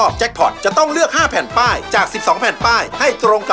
สวัสดีค่ะ